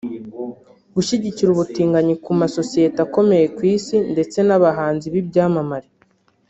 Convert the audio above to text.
Gushyigikira ubutinganyi ku masosiyete akomeye ku Isi ndetse n’abahanzi b’ibyamamare